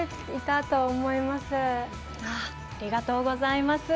ありがとうございます。